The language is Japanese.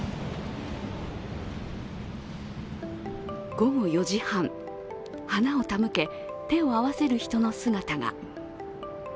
午後４時半、花を手向け手を合わせる人の姿が。